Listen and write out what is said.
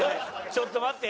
ちょっと待って。